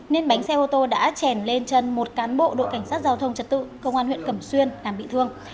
nên bánh xe ô tô đã chèn lên chân một cán bộ đội cảnh sát giao thông trật tự công an huyện cẩm xuyên làm bị thương